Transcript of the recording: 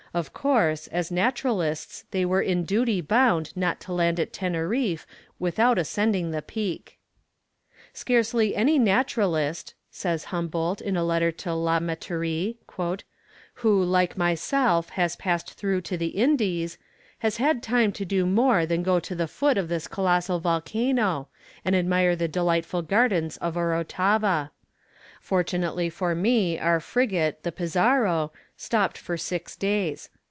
Of course, as naturalists they were in duty bound not to land at Teneriffe without ascending the Peak. "Scarcely any naturalist," says Humboldt in a letter to La Metterie, "who, like myself, has passed through to the Indies, has had time to do more than go to the foot of this colossal volcano, and admire the delightful gardens of Orotava. Fortunately for me our frigate, the Pizarro, stopped for six days.